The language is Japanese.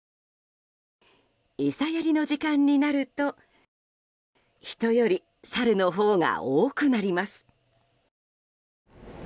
餌やりの時間になると人よりサルのほうが多くなります。